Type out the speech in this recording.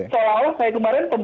seolah olah saya kemarin